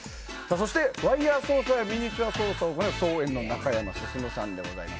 そして、ワイヤ操作やミニチュア操作をする操演の中山享さんです。